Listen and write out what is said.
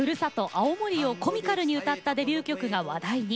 青森をコミカルに歌ったデビュー曲が話題に。